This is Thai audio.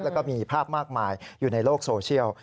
แล้วก็มีภาพมากมายอยู่ในโลกโซเชียล